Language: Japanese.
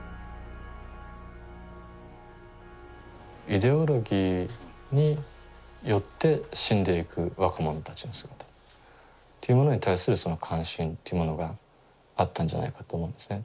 イデオロギーによって死んでいく若者たちの姿っていうものに対するその関心っていうものがあったんじゃないかと思うんですね。